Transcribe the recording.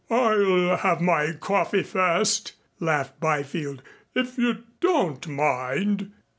"I'll have my coffee first," laughed Byfield, "if you don't mind."